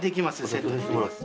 セットできます。